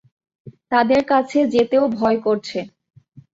তাদের কাছে যেতেও ভয় করছে।